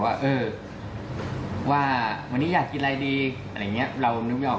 ว่าเออว่าวันนี้อยากกินอะไรดีอะไรอย่างนี้เรานึกไม่ออก